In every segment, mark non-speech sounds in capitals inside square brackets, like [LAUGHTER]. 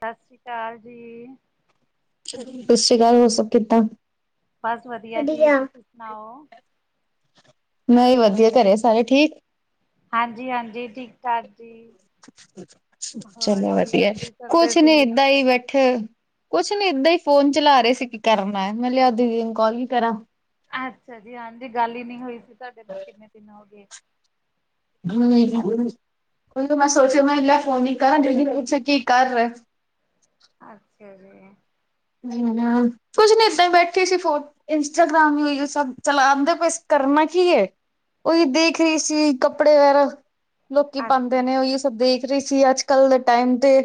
ਸਸ ਸ੍ਰੀ ਕਾਲ ਜੀ। ਸਸ ਸ੍ਰੀ ਕਾਲ ਹੋਰ ਸਬ ਕਿੱਦਾਂ। ਬਸ ਵਦੀਆ ਜੀ ਵਧੀਆ। ਤੁਸੀਂ ਸੁਣਾਓ। ਮੈ ਵੀ ਵਧੀਆ ਘਰੇ ਸਾਰੇ ਠੀਕ। ਹਾਂਜੀ-ਹਾਂਜੀ ਠੀਕ-ਠਾਕ ਜੀ। ਹੋਰ ਚਲੋ ਜੀ, ਵਧੀਆ, ਕੀ ਕਰਦੇ ਕੁਛ ਨੀ ਸੀ? ਏਦਾਂ ਹੀ ਬੈਠੇ। ਕੁਛ ਨੀ ਏਦਾਂ ਹੀ, ਫੋਨ ਚਲਾ ਰਹੇ ਸੀ ਕੀ ਕਰਨਾ, ਮੈਂ ਲੇਓ ਦੀਦੀ ਨੂੰ ਕੋਲ ਹੀ ਕਰਾਂ। ਅੱਛਾ ਜੀ, ਹਾਂਜੀ ਗੱਲ ਹੀ ਨੀ ਹੋਈ ਸੀ ਤੁਹਾਡੇ ਨਾਲ, ਕਿੰਨੇ ਦਿਨ ਹੋ ਗਏ। ਉਹੀ ਉਹ ਮੈਂ ਸੋਚਿਆ ਮੈਂ ਲੈ ਫੋਨ ਨ ਕਰਾਂ ਦੀਦੀ ਨੂੰ ਪੁੱਛਾ ਕੀ ਕਰ ਰਹੇ? ਅੱਛਾ ਜੀ। ਕੁਛ ਨ ਇਦਾਂ ਹੀ ਬੈਠੇ ਸੀ ਫੋਨ ਇੰਸਟਾਗ੍ਰਾਮ ਹੀ ਹੋ ਸਬ ਚਲਾਦੇ ਪੇ ਸੀ ਕਰਨਾ ਕੀ ਏ? ਉਹੀ ਦੇਖ ਰਹੀ ਸੀ ਕੱਪੜੇ ਵੈਰਾ ਲੋਕੀ ਪਾਂਦੇ ਅੱਛਾ, ਨੇ ਉਹੀ ਸਭ ਦੇਖ ਰਹੀ ਸੀ ਅੱਜ ਕ ਕੱਲ ਦੇ ਟਾਈਮ ਤੇ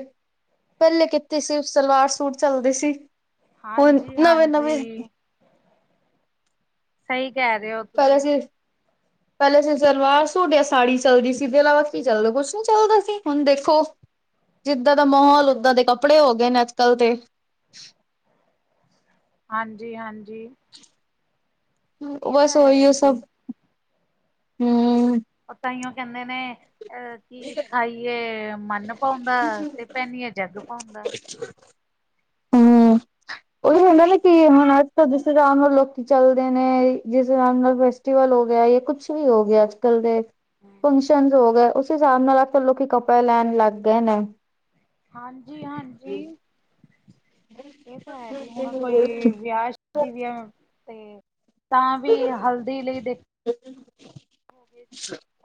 ਪਹਿਲੇ ਕਿੱਥੇ ਸੀ, ਸਲਵਾਰ ਸੂਟ ਚੱਲਦੇ ਸੀ। ਹੁਣ ਨਵੇਂ-ਨਵੇਂ ਹਾਂਜੀ-ਹਾਂਜੀ। ਸਹੀ ਕਹਿ ਰਹੇ ਹੋ ਪਹਿਲੇ ਤੁਸੀਂ। ਸੀ ਪਹਿਲੇ ਸੀ ਸਲਵਾਰ ਸੂਟ ਜਾ ਸਾੜੀ ਚੱਲਦੀ ਸੀ, ਇਦੇ ਇਲਾਵਾ ਕੀ ਚੱਲਦਾ, ਕੁਛ ਨੀ ਚੱਲਦਾ ਸੀ ਹੁਣ ਦੇਖੋ ਜਿੱਦਾਂ ਦਾ ਮਾਹੌਲ ਉੱਦਾਂ ਦੇ ਕੱਪੜੇ ਹੋ ਗਏ ਨੇ ਅੱਜ-ਕੱਲ੍ਹ ਤੇ ਹਾਂਜੀ-ਹਾਂਜੀ। ਇਹ ਬਸ ਤਾਂ ਉਹੀ ਹੈ ਔ ਜੀ, ਸਭ। ਹੂੰ। ਉਹ ਤਾਂਹੀਓ ਕਹਿੰਦੇ ਨੇ ਅਹ ਕਿ ਖਾਈਏ ਮਨ ਪਾਉਂਦਾ ਤੇ ਪੈਨੀਏ ਜੱਗ ਪਾਉਂਦਾ। ਚਛ [UNINTELLIGIBLE] ਉਹੀ ਹੁੰਦਾ ਨਾ ਕਿ ਹੁਣ ਅੱਜ ਤਾਂ ਜਿਸ ਹਿਸਾਬ ਨਾਲ ਲੋਕੀਂ ਚੱਲਦੇ ਨੇ, ਜਿਸ ਹਿਸਾਬ ਨਾਲ ਫੈਸਟੀਵਲ ਹੋ ਗਿਆ ਜਾਂ ਕੁੱਛ ਵੀ ਹੋ ਗਿਆ ਅੱਜ-ਕੱਲ ਦੇ ਫੰਕਸ਼ਨ ਹੋ ਗਏ, ਉਸ ਹਿਸਾਬ ਨਾਲ ਅਜ-ਕਲ ਲੋਕੀ ਕੱਪੜੇ ਲੈਣ ਲੱਗ ਗਏ ਨੇ। ਹਾਂਜੀ-ਹਾਂਜੀ। ਜੀ ਇਹ ਤਾਂ ਹੈ ਜੀ ਹੁਣ ਕੋਈ ਵਿਆਹ ਸ਼ਾਦੀ ਵੀਆ ਤੇ ਤਾਂ ਵੀ ਹਲਦੀ ਲਈ ਦੇਖ ਹ [INAUDIBLE]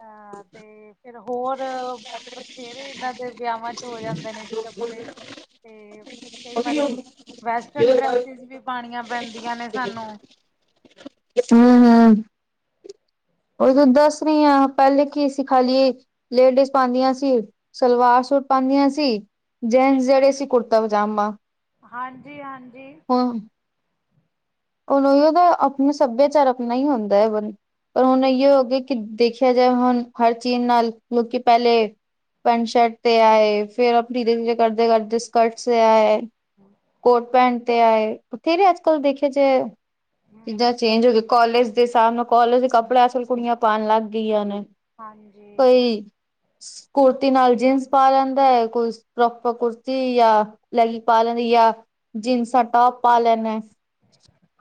ਹਾਂ, ਤੇ ਫਿਰ ਹੋਰ ਬਥੇਰੇ ਏਂਦੇ ਵਿਆਹਾਂ ਚ ਹੋ ਜਾਂਦੇ ਨੇ ਜੀ ਕੱਪੜੇ ਤੇ ਕਈ ਵਾਰੀ ਵੈਸਟਰਨ ਡਰੈਸਿਸ ਵੀ ਪਾਣੀਆਂ ਪੈਂਦੀਆਂ ਨੇ ਸਾਨੂੰ ਹੂੰ-ਹੂੰ। ਉਹੀ ਉ ਦੱਸ ਰਹੀ ਆ ਪਹਿਲੇ ਕੀ ਸੀ ਖਾਲੀ ਲੇਡੀਜ਼ ਪਾਦੀਆਂ ਸੀ ਸਲਵਾਰ ਸੂਟ ਪਾਂਦੀਆਂ ਸੀ। ਜੇਨਸ ਜਿਹੜੇ ਸੀ ਕੁਰਤਾ-ਪਜਾਮਾ। ਹਾਂਜੀ-ਹਾਂਜੀ। ਹ ਉਣ ਓਹੀ ਦੋ, ਆਪਣਾ ਸੱਭਿਆਚਾਰ ਆਪਣਾ ਹੀ ਹੁੰਦਾ ਹੈ ਬੰ ਪਰ ਹੁਣ ਇਹੀਓ ਹੋ ਗਿਆ ਕਿ ਦੇਖਿਆ ਜਾਏ ਹੁਣ ਹਰ ਚੀਜ਼ ਨਾਲ ਲੋਕੀ ਪਹਿਲੇ ਪੈਂਟ-ਸ਼ਰਟ ਤੇ ਆਏ ਫੇਰ ਆਪ ਧੀਰੇ-ਧੀਰੇ ਕਰਦੇ-ਕਰਦੇ ਸਕਰਟਸ ਤੇ ਹਮ ਆਏ ਕੋਟ-ਪੈਂਟ ਤੇ ਆਏ ਥਤੇਰੇ ਅੱਜ- ਕਲ ਦੇਖਿਆ ਜਾਏ। ਹਮ ਚੀਜ਼ਾਂ ਚੇਂਜ ਹੋ ਗਇਆ ਕੋਲਜ ਦੇ ਹਿਸਾਬ ਨਾਲ ਕੋਲਜ ਦੇ ਕੱਪੜੇ ਅੱਜ -ਕਲ ਕੁੜੀਆਂ ਪਾਣ ਲੱਗ ਗਈਆਂ ਨੇ। ਹਾਂਜੀ ਕੋਈ ਕੁੁਰਤੀ ਨਾਲ ਜੀਨਸ ਪਾ ਲੈਂਦਾ ਏ ਕੋਈ ਪ੍ਰੋਪਰ ਕੁੁਰਤੀ ਜਾਂ ਲੈਗੀ ਪਾ ਲੈਂਦੀ ਜਾ ਜੀਨਸਾਂ ਟੋਪ ਪਾ ਲੈਂਨੇਆ।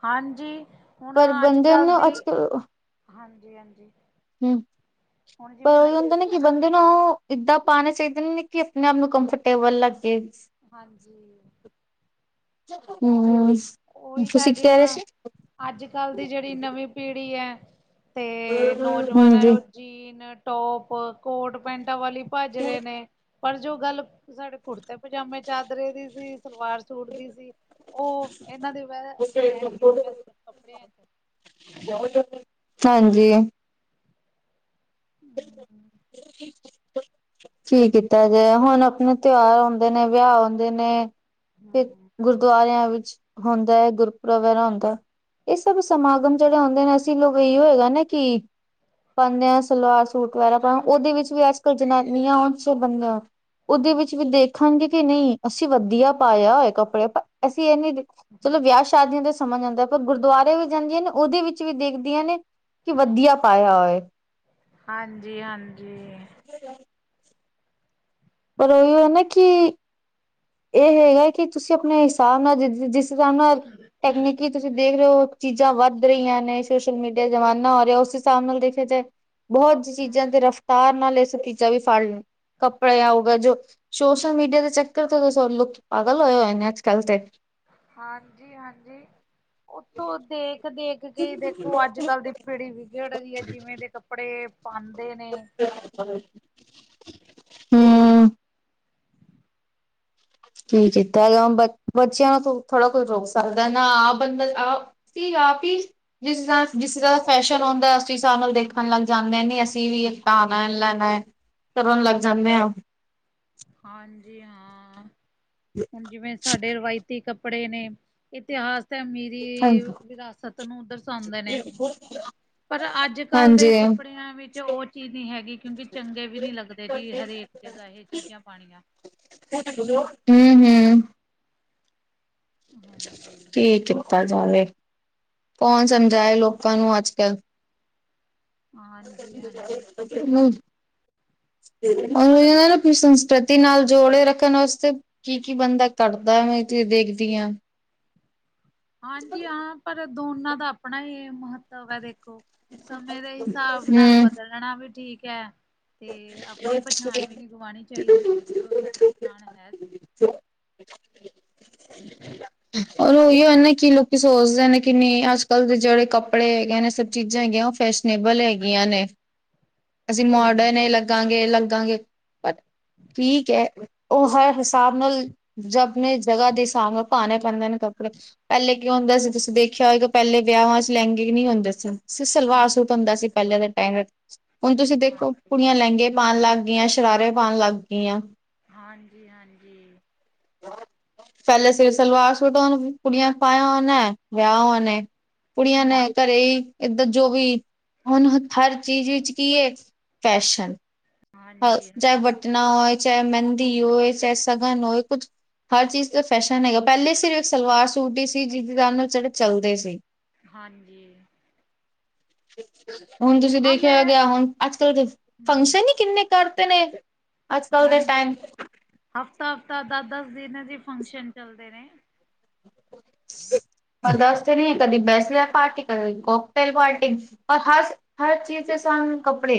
ਹਾਂਜੀ, ਹੁਣ ਪਰ ਬੰਦੇ ਅੱਜ-ਕੱਲ ਨੂੰ ਦੀ ਅੱਜ ਕੱਲ ਹਾਂਜੀ-ਹਾਂਜੀ। ਹੂੰ, ਪਰ ਇਹਦਾ ਨੇ ਕਿ ਬੰਦੇ ਨੂੰ ਉ ਏਦਾਂ ਪਾਂਣੇ ਚਾਹੀਦੇ ਨੇ ਕਿ ਆਪਣੇ-ਆਪ ਨੂੰ ਕੰਫਰਟੇਬਲ ਲੱਗੇ। ਹਾਂਜੀ। ਹੂੰ [UNINTELLIGIBLE] ਉਹੀ ਤਾਂ ਹੈ ਤੁਸੀਂ ਕੀ ਜੀ ਕਹਿ ਹੁਣ ਰਹੇ ਸੀ ਅੱਜ-ਕੱਲ੍ਹ ਦੀ ਜਿਹੜੀ ਨਵੀਂ ਪੀੜ੍ਹੀ ਏ। ਤੇ ਨੌਜਵਾਨਾਂ ਜੋ ਜੀਨ, ਟੋਪ, ਕੋਟ-ਪੈਂਟਾਂ ਵਾਲੀ ਭੱਜ ਰਹੇ ਨੇ, ਪਰ ਜੋ ਗੱਲ ਸਾਡੇ ਕੁਰਤੇ ਪਜਾਮੇ ਚਾਦਰੇ ਦੀ ਸੀ ਸਲਵਾਰ ਸੂਟਦੀ ਸੀ ਉ ਇਨਾਂ ਦੇ ਵ ਹੈ ਨੀ ਸੀ ਵੈਸੇ ਕੱਪੜਿਆਂ ਚ [UNINTELLIGIBLE] ਹਾਂਜੀ। [INAUDIBLE] ਕੀ ਕੀਤਾ ਜਾਏ, ਹੁਣ ਆਪਣੇ ਤਿਉਹਾਰ ਹੁਂਦੇ ਨੇ ਵਿਆਹ ਹੁਂਦੇ ਨੇ। ਤੇ ਗੁਰਦੁਆਰਿਆਂ ਵਿੱਚ ਹੁੰਦਾ ਏ, ਗੁਰਪੁਰਬ ਵਗੈਰਾ ਹੁੰਦਾ ਏ। ਇਹ ਸਭ ਸਮਾਗਮ ਜਦੋਂ ਓਂਦੇ ਨੇ ਅਸੀਂ ਲੋਕ ਇਹੀਓ ਹੈ ਨਾ ਕਿ ਪਾਨੇ ਆ ਸ ਸਲਵਾਰ ਸੂਟ ਵਗੈਰਾ ਪਾਣ ਉਹਦੇ ਵਿੱਚ ਵੀ ਅੱਜ-ਕੱਲ ਜਨਾਨੀਆਂ [UNINTELLIGIBLE] ਉਹਦੇ ਵਿੱਚ ਵੀ ਦੇ ਹਾਂਜੀ, ਕਿ ਨੀ ਅਸੀਂ ਵੱਧੀਆ ਪਾਇਆ ਹੋਆ ਕੱਪੜੇ ਪਰ ਅਸੀਂ ਏਨੀ ਚਲੋ ਵਿਆਹ ਸ਼ਾਦੀਆ ਦਾ ਸਮਾਂ ਜਾਂਦਾ ਪਰ ਗੁਰਦੁਆਰੇ ਵੀ ਜਾਂਦੀਆਂ ਨੇ ਉਹਦੇ ਵਿੱਚ ਵੀ ਦੇਖਦੀਆਂ ਨੇ ਕਿ ਵੱਧੀਆ ਪਾਇਆ ਓਏ। ਹਾਂਜੀ-ਹਾਂਜੀ। ਔਰ ਓਹੀ ਨਾ ਕੀ ਇਹ ਹੈਗਾ ਕਿ ਤੁਸੀਂ ਆਪਣੇ ਹਿਸਾਬ ਨਾਲ ਜਿਸ-ਜਿਸ ਹਿਸਾਬ ਨਾਲ ਟੈਕਨੀਕੀ ਤੁਸੀਂ ਦੇਖ ਰਹੇ ਹੋ ਚੀਜ਼ਾਂ ਵੱਧ ਰਹੀਆਂ ਨੇ ਸੋਸ਼ਲ ਮੀਡੀਆ ਜ਼ਮਾਨਾ ਹੋ ਰਿਹਾ ਉਸ ਹਿਸਾਬ ਨਾਲ ਦੇਖਿਆ ਜਾਏ। ਬਹੁਤ ਚੀਜ਼ਾਂ ਤੇ ਰਫ ਤਾਰ ਨਾਲ ਇਹ ਸਬ ਤੀਚਾ ਵੀ ਫੜ ਲੋ, ਕੱਪੜੇ ਹੋਗੇ ਜੋ ਸੋਸ਼ਲ ਮੀਡੀਆ ਦੇ ਚੱਕਰ ਉਥੋ ਤੋ ਸਗੋ ਲੋਕ ਪਾਗਲ ਹੋਏ-ਹੋਏ ਨੇ ਅੱਜ-ਕੱਲ੍ਹ ਤੇ। ਹਾਂਜੀ-ਹਾਂਜੀ, ਉਥੋਂ ਦੇਖ-ਦੇਖ ਕੇ ਦੇਖੋ ਅੱਜ-ਕੱਲ ਦੀ ਪੀੜੀ ਵਿਗੜ ਰਹੀ ਏ ਜਿਵੇਂ ਦੇ ਕੱਪੜੇ ਪਾਂਦੇ ਨੇ। [INAUDIBLE] ਹੂੰ ਕੀ ਕੀਤਾ ਜਾਵੇ ਹੁਣ ਬਚ ਬੱਚਿਆਂ ਨੂੰ ਥੋੜ੍ਹਾ ਕੁਝ ਰੋਕ ਸਕਦਾ ਨਾ ਆਹ ਬੰਦਾ ਆ ਆ ਫਿਰ ਆਪ ਹੀ ਜਿਸ ਹਿਸਾਬ, ਜਿਸ ਹਿਸਾਬ ਦਾ ਫੈਸ਼ਨ ਔਂਦਾ ਏ ਉਸ ਹਿਸਾਬ ਨਾਲ ਦੇਖਣ ਲੱਗ ਜਾਂਦੇ ਨੀ ਅਸੀਂ ਵੀ ਇੱਕ ਪਾਣਾ-ਲੈਣਾ। ਕਰਨ ਲੱਗ ਜਾਂਨੇ ਆ। ਹਾਂਜੀ, ਹਾਂ ਹੁਣ ਜਿਵੇਂ ਸਾਡੇ ਵੀਲਾਇਤੀ ਕਪ ਪੜੇ ਨੇ ਇਤਿਹਾਸ ਤੇ ਅਮੇਰੀ ਵਿਰਾਸਤ ਨੂੰ ਦਰਸਾਉਂਦੇ ਨੇ। ਪਰ ਅੱਜ-ਕੱਲ ਦੇ ਹਾਂਜੀ ਕੱਪੜਿਆਂ ਵਿੱਚ ਉਹ ਚੀਜ਼ ਨੀ ਹੈਗੀ ਕਿਉਂਕਿ ਚੰਗੇ ਵੀ ਨੀ ਲੱਗਦੇ ਜੀ ਹਰੇਕ ਜਗ੍ਹਾ ਇਹ ਚੀਜ਼ਾਂ ਪਾਣੀਆਂ। [UNINTELLIGIBLE] ਹੂੰ -ਹੂੰ। ਹਾਂਜੀ ਕੀ ਕੀਤਾ ਜਾਵੇ, ਕੌਣ ਸਮਝਾਏ ਲੋਕਾਂ ਨੂੰ ਅੱਜ-ਕੱਲ। ਹਾਂਜੀ ਹਾਂਜੀ ਪਰ ਦੋ [UNINTELLIGIBLE] ਤੇ ਨਾਲ ਜੋੜੇ ਰੱਖਣ ਵਾਸਤੇ ਕੀ-ਕੀ ਬੰਦਾ ਕਟਦਾ ਮੈਂ ਦੇਖਦੀ ਆਂ। ਹਾਂਜੀ-ਹਾਂ, ਪਰ ਦੋਨਾਂ ਦਾ ਆਪਣਾ ਹੀ ਮਹੱਤਵ ਏ ਦੇਖ ਸਮੇਂ ਦੇ ਹਿਸਾਬ ਨਾਲ ਹੂੰ ਬਦਲਣਾ ਵੀ ਠੀਕ ਏ। ਤੇ ਆਪਣੀ ਪਛਾਣ ਵੀ ਨਹੀਂ ਗਵਾਣੀ ਚਾਹੀਦੀ ਕਿ ਉਹ ਸਾਡੀ ਪਛਾਣ ਹੈ ਸੀ। [INAUDIBLE] ਔਰ ਉਹੀਓ ਨਾ ਕਿ ਲੋਕੀ ਸੋਚਦੇ ਨੇ ਨਹੀਂ ਅੱਜ-ਕੱਲ੍ਹ ਦੇ ਜਿਹੜੇ ਕੱਪੜੇ ਹੈਗੇ ਨੇ ਸਭ ਚੀਜ਼ਾਂ ਹੈਗੀਆਂ ਓ ਫੇਸਨੇਬਲ ਹੈਗੀਆਂ ਨੇ, ਅਸੀਂ ਮੋਡਰਨ ਹਾਂਜੀ ਇਹ ਲੱਗਾਂਗੇ, ਲੱਗਾਂਗੇ। ਠੀਕ ਐ, ਉਹ ਹਰ ਹਿਸਾਬ ਮਲ ਜ ਆਪਣੇ ਜਗ੍ਹਾ ਦੇ ਹਿਸਾਬ ਨਾਲ ਪਾਣੇ ਪੈਂਦੇ ਨੇ ਕੱਪੜੇ। ਪਹਿਲੇ ਕੀ ਹੁੰਦਾ ਸੀ ਤੁਸੀਂ ਦੇਖਿਆ ਹੋਏਗਾ, ਪਹਿਲੇ ਵਿਆਹਾਂ ਚ ਲੈਂਗੈ ਵੀ ਨਹੀਂ ਹੁੰਦੇ ਸੀ। ਛ ਛ ਸਲਵਾਰ ਹੂੰ, ਸੂਟ ਹੁੰਦਾ ਸੀ ਪਹਿਲਾਂ ਦੇ ਟੈਮ ਵਿੱਚ, ਹੁਣ ਤੁਸੀਂ ਦੇਖੋ ਹਾਂਜੀ, ਗੇ ਪਾਣ ਲੱਗ ਗੀਆਂ, ਸ਼ਰਾਰੇ ਪਾਣ ਲੱਗ ਗੀਆਂ। ਹਾਂਜੀ, ਹਾਂਜੀ ਪਿਅਲੇ ਸਿਰਫ ਸਲਵਾਰ -ਸੂਟਾ ਨੂ ਕੁੜੀਆ ਪਾਇਆ ਹੁਨਾ ਏ, ਵਿਆਹ ਹੁਨਾ ਐ। ਕੁੜੀਆਂ ਨੇ ਹੂੰ, ਘਰੇ ਈ ਇੱਧਰ ਜੋ ਵੀ ਹੁਣ ਹੱਥਾ ਚ ਚੀਚੀ ਚ ਕੀ ਏ? ਫੈਸ਼ਨ ਹਾਂ ਹਾਂਜੀ, ਚਾਹੇ ਵਟਨਾ ਹੋਏ, ਚਾਹੇ ਮਹਿੰਦੀ ਹੋਏ, ਚਾਹੇ ਸ਼ਗਨ ਹੋਏ ਕੁਛ ਹਰ ਚੀਜ਼ ਦਾ ਫੈਸ਼ਨ ਹੈਗਾ, ਪਹਿਲੇ ਸਿਰਫ ਇੱਕ ਸਲਵਾਰ ਸੂਟ ਹੀ ਸੀ ਜਿਸ ਕਾਰਨ ਉਹ ਜਿਹੜੇ ਚਲਦੇ ਸੀ। ਹਾਂਜੀ ਹੁਣ ਤੁਸੀ ਆ ਮੈਂ ਦੇਖਿਆ ਹੋ ਗਿਆ ਹੁਣ ਅੱਜ- ਕੱਲ੍ਹ ਤਾਂ ਹੂੰ, ਫੰਕਸ਼ਨ ਈ ਕਿੰਨੇ ਕਰਤੇ ਨੇ। ਅੱਜ ਕੱਲ ਦੇ ਹਾਂਜੀ, ਟਾਈਮ ਹਫ਼ਤਾ- ਹਫ਼ਤਾ, ਦਸ -ਦਸ ਦਿਨ ਜੇ ਫੰਕਸ਼ਨ ਚੱਲਦੇ ਨੇ [INAUDIBLE] ਮ ਦੱਸਸਤੇ ਨੀ ਕਦੀ ਬੈਸਲੇਟ ਪਾਰਟੀ, ਕਦੇ ਕਟੇਲ ਪਾਰਟੀ ਆਸ [INAUDIBLE] ਹਰ ਚੀਜ਼ ਦੇ ਸਨ ਕੱਪੜੇ,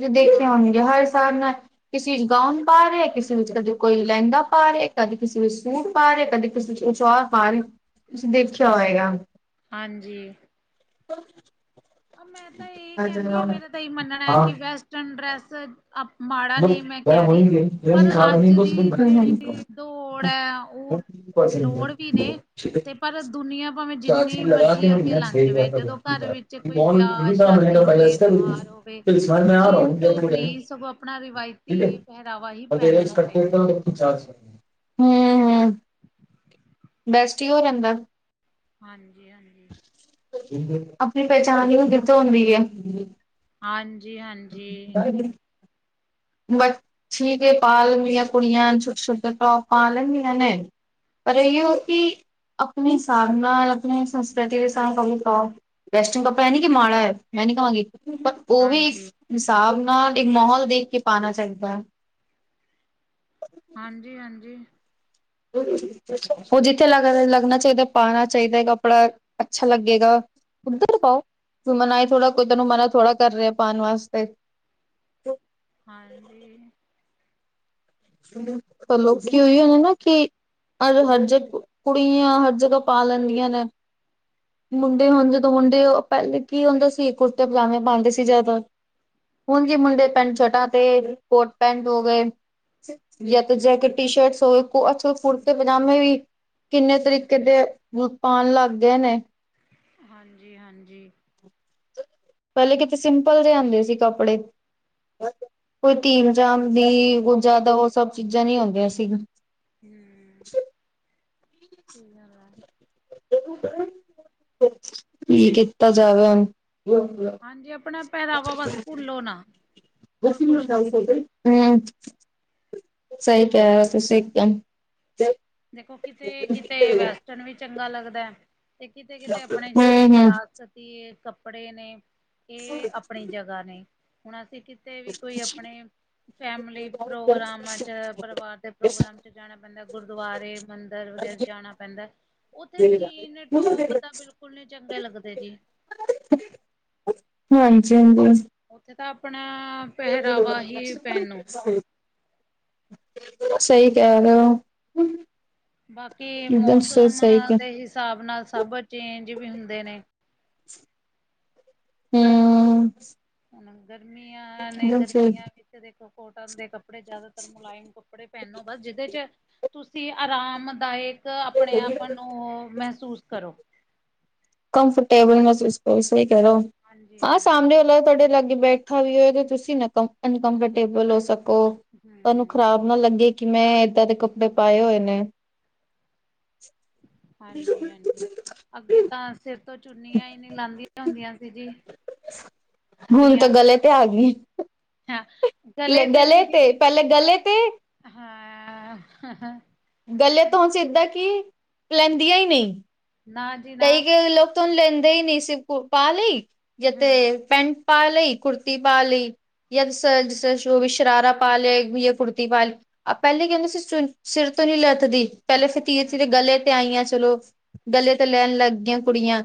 ਜੋ ਦੇਖੇ ਹੋਣਗੇ ਹਰ ਹਾਂਜੀ-ਹਾਂਜੀ। ਹਿਸਾਬ ਨਾਲ ਕਿਸੇ ਵਿੱਚ ਗਾਊਨ ਪਾ ਰਿਹੇ, ਕਿਸੇ ਵਿੱਚ ਕਦੇ ਕੋਈ ਲਹਿੰਦਾ ਪਾ ਰਿਹੇ, ਕਦੇ ਕਿਸੇ ਵਿੱਚ ਸੂਟ ਪਾ ਰਿਹੇ, ਕਦੇ ਕਿਸੇ ਔਰ ਪਰ ਤੁਸੀਂ ਦੇਖਿਆ ਹੋਏਗਾ ਹਾਂਜੀ ਅ ਮੈਂ ਤਾਂ ਇਹੀ ਕਹਿੰਨੀ ਆ, ਮੇਰਾ ਤਾਂ ਇਹ ਮੰਨਣਾ ਐ ਕਿ ਵੈਸਟਰਨ ਡਰੈੱਸ ਆ ਮਾੜਾ ਨਈ ਮੈਂ ਕਹਿ ਰਹੀ, ਪਰ ਅੱਜ ਦੀ ਜਿਹੜੀ ਦੌੜ ਹੈ ਉਹ ਲੋੜ ਵੀ ਨੇ ਤੇ ਪਰ ਦੁਨੀਆਂ ਭਾਵੇਂ ਜਿੰਨੀ ਮਰਜ਼ੀ ਅੱਗੇ ਲੰਘ ਜਾਵੇ ਜਦੋਂ ਘਰ ਵਿੱਚ ਕੋਈ ਬਹੁਤ ਵਿਆਹ ਚੰਗੀ ਤਰ੍ਹਾਂ ਸ਼ਾਦੀ ਮਹਿੰਗਾ ਪਾਏਗਾ ਹੋਵੇ ਇਸ ਤਿਉਹਾਰ ਹੋਵੇ ਟਾਈਮ ਸਰ ਮੈਂ ਆ ਜੀਨ ਟੋਪ ਰਿਹਾ [INAUDIBLE] ਨਹੀਂ ਸਗੋਂ ਆਪਣਾ ਰਵਾਇਤੀ ਪਹਿਰਾਵਾ ਈਹ ਪਹਿਨਣਾ ਚਾਹੀਦਾ ਐ। [INAUDIBLE] ਹਮ ਹਮ, ਬੈਸਟ ਈ ਉਹ ਰਹਿਦਾ। ਹਾਂਜੀ, ਹਾਂਜੀ ਆਪਣੀ ਪਹਿਚਾਣ ਕਿਥੋਂ ਆਉਂਦੀ ਐ। ਹਾਂਜੀ ਹਾਂਜੀ ਵੱਛੀ ਕੇ ਬਾਲ ਮੇਰੀਆਂ ਕੁੜੀਆਂ ਛੋਟੇ- ਛੋਟੇ ਟੋਪ ਪਾ ਲੈਂਦੀਆਂ ਨੇ। ਪਰ ਇਹੋ ਕਿ ਆਪਣੇ ਹਿਸਾਬ ਨਾਲ ਆਪਣੇ ਸੰਸਕ੍ਰਿਤੀ ਦੇ ਹਿਸਾਬ ਨਾਲ ਅਪਨਾੳ। ਵੈਸਟਿੰਗ ਕੱਪੜਾ ਐ ਨੀ ਕਿ ਮਾੜਾ ਐ, ਮੈਂ ਨੀ ਕਵਾਂਗੀ ਪ ਉਹ ਵੀ ਹਾਂਜੀ ਹਿਸਾਬ ਨਾਲ ਇੱਕ ਮਾਹੌਲ ਦੇਖ ਕੇ ਪਾਣਾ ਚਾਹੀਦਾ। ਹਾਂਜੀ ਹਾਂਜੀ ਉਹ ਜਿੱਥੇ ਲ ਲੱਗਣਾ ਚਾਹੀਦਾ ਪਾਉਣਾ ਚਾਹੀਦਾ ਐ ਕੱਪੜਾ, ਅੱਛਾ ਲੱਗੇਗਾ। ਉੱਧਰ ਪਾਓ, ਕੋਈ ਮਨਾਹੀ ਥੋੜਾ, ਕੋਈ ਤੈਨੂੰ ਮਨਾ ਥੋੜਾ ਕਰ ਰਿਹਾ ਪਾਣ ਵਾਸਤੇ। ਹਾਂਜੀ ਚਲੋ, ਲੋਕੀ ਉਹੀਔ ਨਾ ਕੀ ਅੱਜ ਹਰ ਜ ਕੁੜੀਆਂ ਹਰ ਜਗ੍ਹਾ ਪਾ ਲੈਂਦੀਆਂ ਨੇ। ਮੁੰਡੇ ਹੁਣ ਜਦੋਂ ਮੁੰਡੇ ਪਹਿਲੇ ਕੀ ਹੁੰਦਾ ਸੀ ਕੁੜਤੇ -ਪਜਾਮੇ ਪਾਉਂਦੇ ਸੀ ਜਿਆਦਾਤਰ। ਹੁਣ ਜੇ ਮੁੰਡੇ ਪੈਂਟ- ਸ਼ਰਟਾ ਤੇ ਕੋਟ -ਪੈਂਟ ਹੋ ਗਏ। ਜਾਂ ਤਾਂ ਜੈਕੇਟ ਟੀ- ਸ਼ਰਟਸ ਸੁ ਹੋਏ, ਅਜਕੱਲ੍ਹ ਕੁੜਤੇ- ਪਜਾਮੇ ਵੀ। ਕਿੰਨੇ ਤਰੀਕੇ ਹਮ ਦੇ ਬੂਟ ਪਾਣ ਲੱਗ ਗਏ ਨੇ। ਹਾਂਜੀ ਹਾਂਜੀ ਪਹਿਲੇ ਕਿਤੇ ਸਿੰਪਲ ਜੇ ਆਂਦੇ ਸੀ ਕੱਪੜੇ। ਕੋਈ ਧੀਮ ਜਾਂਦੀ ਕੋਈ ਜਿਆਦਾ ਉਹ ਸਭ ਚੀਜ਼ਾਂ ਨੀ ਆਉਂਦੀਆਂ ਸੀ। ਹਮ ਕੀ ਹਾਲ ਆ। ਕੀ ਕੀਤਾ ਜਾਵੇ ਹੁਣ ਹਾਂਜੀ ਆਪਣਾ ਪਹਿਰਾਵਾ ਬਸ ਭੁੱਲੋ ਨਾ ਹੋਰ ਜੱਸੀ ਨਾਲ ਕੁਛ ਗੱਲ ਨੀ ਹੋ ਜੀ ਗਈ। ਸਹੀ ਕਿਹ ਰਏ ਔ ਤੁਸੀ ਇੱਕਦਮ ਦੇਖੋ ਕਿਤੇ -ਕਿਤੇ ਵੈਸਟਰਨ ਵੀ ਚੰਗਾ ਲੱਗਦਾ ਐ। ਤੇ ਕਿਤੇ- ਕਿਤੇ ਆਪਣੇ ਜਿਹੜੀ ਹਮ ਹਮ ਵਿਰਾਸਤੀ ਏ ਕੱਪੜੇ ਨੇ ਇਹ ਆਪਣੀ ਜਗ੍ਹਾ ਨੇ, ਹੁਣ ਅਸੀਂ ਕਿਤੇ ਵੀ ਕੋਈ ਆਪਣੇ ਫੈਮਲੀ ਪ੍ਰੋਗਰਾਮਾਂ ਚ ਪਰਿਵਾਰ ਦੇ ਪ੍ਰੋਗਰਾਮ ਚ ਜਾਣਾ ਪੈਂਦਾ ਗੁਰ ਦੁਬਾਰੇ, ਮੰਦਿਰ ਵਗੈਰਾ ਜਾਣਾ ਪੈਂਦਾ। ਉੱਥੇ ਜੀਨ- ਟੋਪ ਤਾਂ ਬਿਲਕੁਲ ਨਹੀ ਚੰਗੇ ਲੱਗਦੇ ਜੀ। ਹਾਂਜੀ ਹਾਂਜੀ। ਉੱਥੇ ਤਾਂ ਆਪਣਾ ਪਹਿਰਾਵਾ ਹੀ ਪੈਣੂੰ ਸਹੀ ਕਹਿ ਰਹੇ ਔ। ਬਾਕੀ ਮੌਸਮ ਕਹਿ ਦੇ ਹਿਸਾਬ ਨਾਲ ਸਭ ਚੇਂਜ ਵੀ ਹੁੰਦੇ ਨੇ। ਹਮ। ਹ ਗਰਮੀਆਂ ਨੇ ਇੱਕਦਮ ਸਹੀ ਗਰਮੀਆਂ ਵਿੱਚ ਦੇਖੋ ਕੋਟਨ ਦੇ ਕੱਪੜੇ ਕੱਪੜੇ ਜਿਆਦਾਤਰ ਮੁਲਾਇਮ ਕੱਪੜੇ ਪਹਿਨੋਦਾ ਜਿਹਦੇ ਚ ਤੁਸੀਂ ਆਰਾਮਦਾਇਕ ਆਪਣੇ ਆਪ ਨੂ ਮਹਿਸੂਸ ਕਰੋ ਕੰਫਟੇਬਲ ਮਹਿਸੂਸ ਕਰੋ ਸਹੀ ਕਰੋ ਔ, ਹਾਂਜੀ ਅ ਹਾਂਜੀ ਸਾਹਮਣੇ ਤੁਹਾਡੇ ਲਾਗੇ ਬੈ ਖਾ ਵੀ ਹੋਏ ਤੇ ਤੁਸੀਂ ਨਾ ਅਨਕੰਫਰਟੇਬਲ ਹੋ ਸਕੋ ਤੁਹਾਨੂੰ ਹੂੰ ਖ਼ਰਾਬ ਨਾ ਲੱਗੇ ਕਿ ਮੈਂ ਏਦਾਂ ਦੇ ਕੱਪੜੇ ਪਾਏ ਹੋਏ ਨੇ [INAUDIBLE] ਹਾਂਜੀ ਹਾਂਜੀ, ਅੱਗੇ ਤਾਂ ਸਿਰ ਤੋਂ ਚੁੰਨੀਆਂ ਈ ਨਹੀਂ ਲਾਦੀਆਂ ਹੁੰਦੀਆਂ ਸੀ ਜੀ। ਹੁਣ ਤਾਂ ਕੁੜੀਆਂ। ਗਲੇ ਤੇ ਆ ਗਈ। ਹਾਂ, ਗਲੇ ਤੇ ਵੀ ਪਹਿਲੇ ਗ, ਗਲੇ ਤੇ ਹਾਂ। ਗੱਲੇ ਤੋ ਸਿੱਧਾ ਕਿ ਲੈਂਦੀਆਂ ਈ ਨਈ ਨਾ ਜੀ ਨਾ ਕਈ- ਕਈ ਲੋਕ ਤੁ ਉਹਾਨੂੰ ਲੈਂਦੇ ਈ ਨਈ ਸੀਰ ਕੋ ਪਾ ਲਈ ਹੂੰ ਜਥੇ ਪੈਂਟ ਪਾ ਲਈ ਕੁੁਰਤੀ ਪਾ ਲਈ ਯ ਜ ਉਹ ਵੀ ਸ਼ਰਾਰਾ ਪਾ ਲਿਆ ਕੁੁਰਤੀ ਪਾਲੀ ਹ ਪਹਿਲੇ ਕਹਿੰਦੇ ਸੀ ਚ ਸਿਰ ਤੋਂ ਨੀ ਲੱਥਦੀ, ਪਹਿਲੇ ਧੀਰੇ- ਧੀਰੇ ਹੂੰ-ਹੂੰ, ਗਲੇ ਤੇ ਆਈਆਂ ਚਲੋ, ਗਲੇ ਤੇ ਲੈਣ ਲੱਗ ਗਈਆਂ ਕੁੜੀਆਂ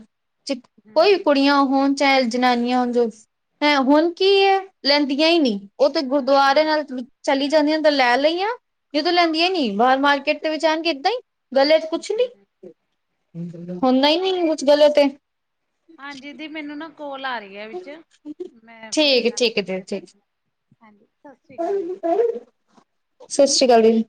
ਕੋਈ ਵੀ ਕੁੜੀਆਂ ਹੋਣ ਚਾਹੇ ਜਨਾਨੀਆਂ ਹ ਜੋ ਹੈਂ ਹੁਣ ਕੀ ਐ ਲੈਂਦੀਆਂ ਈ ਨੀ। ਉਹ ਤੇੇ ਗੁਰਦੁਆਰੇ ਹਾਂਜੀ। ਨਾਲ ਚਲੀ ਜਾਂਦੀ ਆ ਤਾਂ ਲੈ ਲਈਆ, ਜਦੋਂ ਲੈਂਦੀਆਂ ਨੀ ਬਾਹਰ ਮਾਰਕੀਟ ਦੇ ਵਿੱਚ ਆਣਗੇ ਇੱਦਾਂ ਈ [UNINTELLIGIBLE] ਹੁੰਦਾ ਈ ਨਈ ਕੁਛ ਗਲਤ ਏ ਹਾਂਜੀ ਦੀ ਮੈਨੂੰ ਨਾ ਕੋਲ ਆ ਰਹੀ ਵਿੱਚ, ਮੈਂ ਫੇਰ ਠੀਕ ਹੈ ਗੱਲ ਠੀਕ ਹੈ ਦੀ ਕਰਕੇ ਠੀਕ ਤੁਹਾਡੇ ਨਾਲ ਹਾਂਜੀ ਸਸਿ ਸ੍ਰੀਕਾਲ ਜੀ। ਸਸ਼ਿ ਸੀਕਾਲ ਜੀ।